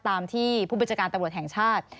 ตามที่ผู้บัญชาการตำรวจแห่งชาติ